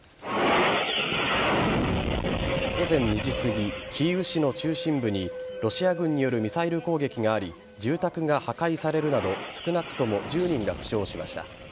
午前２時すぎキーウ市の中心部にロシア軍によるミサイル攻撃があり住宅が破壊されるなど少なくとも１０人が負傷しました。